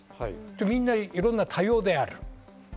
みんないろんな多様である。